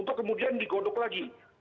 untuk kemudian digodok lagi